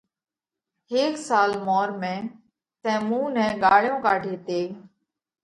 هيڪ سال مورمئہ تئين مُون نئہ ڳاۯيون ڪاڍي تي۔